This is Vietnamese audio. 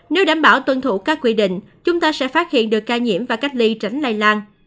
nếu đảm bảo tuân thủ các quy định chúng ta sẽ phát hiện được ca nhiễm và cách ly tránh lây lan